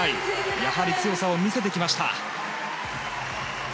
やはり強さを見せてきました。